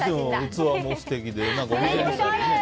器も素敵でね。